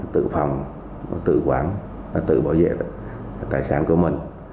tự phòng tự quản tự bảo vệ tài sản của mình